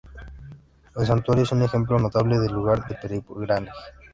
El Santuario es un ejemplo notable de lugar de peregrinaje.